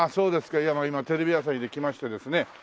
ああそ今テレビ朝日で来ましてですね